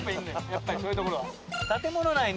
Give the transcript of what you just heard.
やっぱりそういう所は。